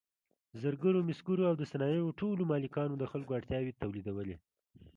زرګرو، مسګرو او د صنایعو ټولو مالکانو د خلکو اړتیاوې تولیدولې.